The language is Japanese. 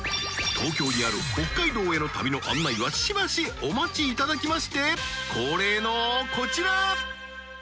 東京にある北海道への旅の案内はしばしお待ちいただきまして盈磴こちら！